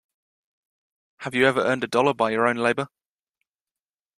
Have you ever earned a dollar by your own labour.